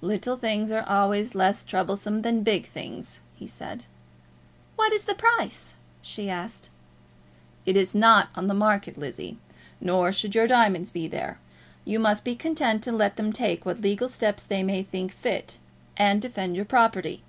"Little things are always less troublesome than big things," he said. "What is the price?" she asked. "It is not in the market, Lizzie. Nor should your diamonds be there. You must be content to let them take what legal steps they may think fit, and defend your property.